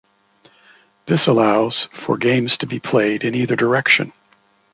This allows for games to be played in either direction.